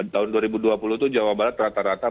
tahun dua ribu dua puluh itu jawa barat rata rata